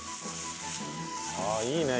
ああいいね！